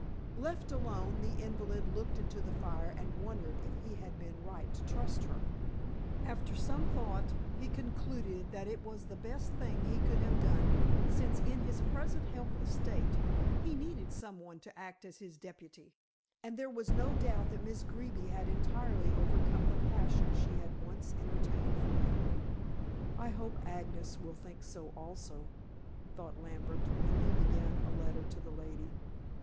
Left alone, the invalid looked into the fire, and wondered if he had been right to trust her. After some thought, he concluded that it was the best thing he could have done, since, in his present helpless state, he needed some one to act as his deputy. And there was no doubt that Miss Greeby had entirely overcome the passion she had once entertained for him. "I hope Agnes will think so also," thought Lambert, when he began a letter to the lady.